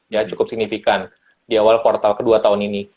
ya cukup signifikan di awal kuartal kedua tahun ini